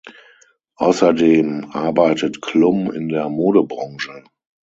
Außerdem arbeitet Klum in der Modebranche.